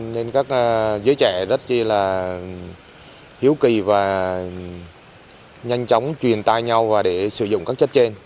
nên các giới trẻ rất là hiếu kỳ và nhanh chóng truyền tay nhau và để sử dụng các chất trên